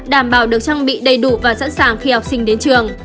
đảm bảo được trang bị đầy đủ và sẵn sàng khi học sinh đến trường